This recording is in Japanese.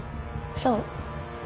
そう。